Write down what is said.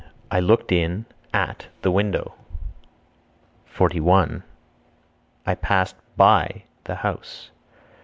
I looked in (at) the window. 41. I passed (by) the house.